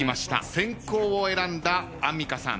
先攻を選んだアンミカさん。